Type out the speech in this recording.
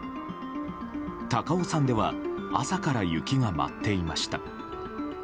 高尾山では朝から雪が舞っていました。